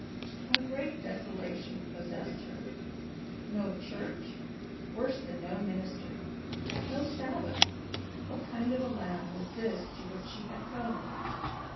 A great desolation possessed her. No church! Worse than no minister! No Sabbath! What kind of a land was this to which she had come?